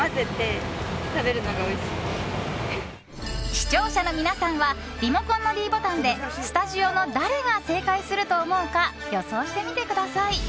視聴者の皆さんはリモコンのｄボタンでスタジオの誰が正解すると思うか予想してみてください。